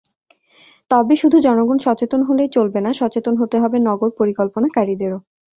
তবে শুধু জনগণ সচেতন হলেই চলবে না, সচেতন হতে হবে নগর পরিকল্পনাকারীদেরও।